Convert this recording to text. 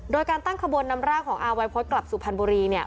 โดยการตั้งขบวนนำร่างของอาวัยพฤษกลับสุพรรณบุรีเนี่ย